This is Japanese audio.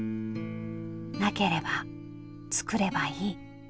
「なければ創ればいい」。